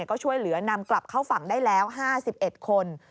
ก็ช่วยเหลือนำกลับเข้าฝั่งได้แล้ว๕๑คน